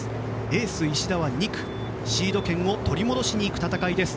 エース石田は２区、シード権を取り戻しに行く戦いです。